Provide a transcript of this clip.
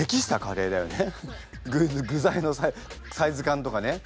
具材のサイズ感とかね。